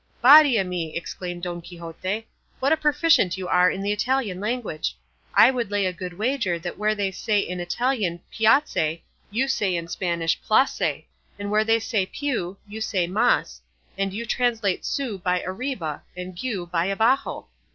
"Body o' me," exclaimed Don Quixote, "what a proficient you are in the Italian language! I would lay a good wager that where they say in Italian piace you say in Spanish place, and where they say piu you say mas, and you translate su by arriba and giu by abajo."